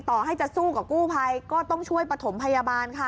ต่อให้จะสู้กับกู้ภัยก็ต้องช่วยประถมพยาบาลค่ะ